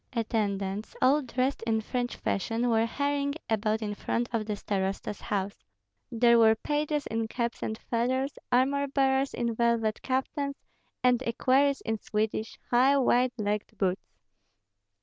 Attendants, all dressed in French fashion, were hurrying about in front of the starosta's house; there were pages in caps and feathers, armor bearers in velvet kaftans, and equerries in Swedish, high, wide legged boots.